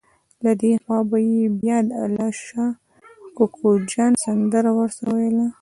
له دې خوا به یې بیا د الله شا کوکو جان سندره ورسره وویله.